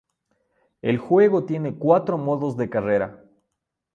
El juego tiene cuatro modos de carrera.